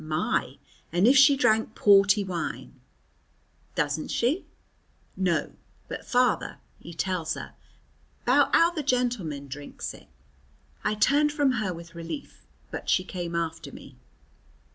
"My! And if she drank porty wine." "Doesn't she?" "No. But father, he tells her 'bout how the gentlemen drinks it." I turned from her with relief, but she came after me.